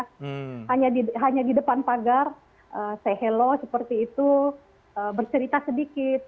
hanya di depan pagar say hello seperti itu bercerita sedikit lepas cinta lepas cinta